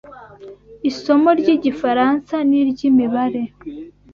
isomo ry’Igifaransa n’iry’Imibare,